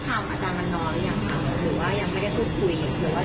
หรือว่ายังไม่ได้พูดคุย